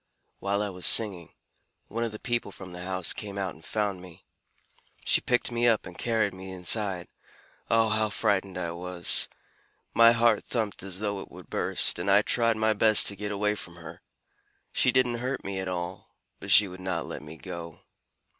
While I was singing, one of the people from the house came out and found me. She picked me up and carried me inside. Oh, how frightened I was! My heart thumped as though it would burst, and I tried my best to get away from her. She didn't hurt me at all, but she would not let me go.